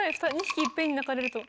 ２匹いっぺんに鳴かれると。